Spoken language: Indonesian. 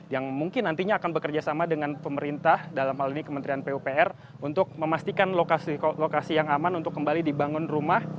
yang mungkin nantinya akan bekerjasama dengan pemerintah dalam hal ini kementerian pupr untuk memastikan lokasi yang aman untuk kembali dibangun rumah